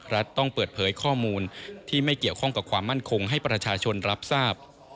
รัฐต้องเปิดเผยข้อมูลที่ไม่เกี่ยวข้องกับความมั่นคงให้ประชาชนรับทราบ